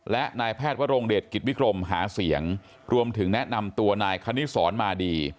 และนายแพทย์วรงเดชกิจวิกรมหาเสียงรวมถึงแนะนำตัวนายคณิสรมาดี